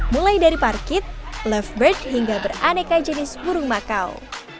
mulai dari parkit lovebird hingga beraneka jenis burung makau